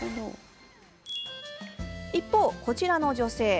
一方こちらの女性。